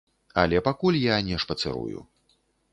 Але пакуль я не шпацырую.